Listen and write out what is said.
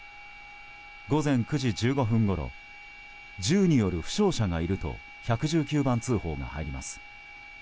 午前９時１５分ごろ銃による負傷者がいると１１９番通報が入ります。